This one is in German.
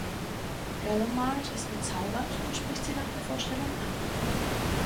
Gallimard ist bezaubert und spricht sie nach der Vorstellung an.